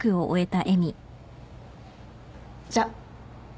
じゃあ。